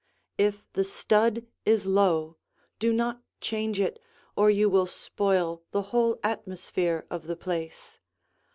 If the stud is low, do not change it, or you will spoil the whole atmosphere of the place.